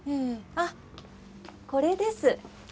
あっこれです。